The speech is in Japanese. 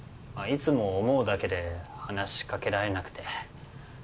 いつも思うだけで話しかけられなくて。